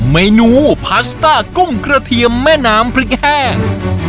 เมนูพาสต้ากุ้งกระเทียมแม่น้ำพริกแห้ง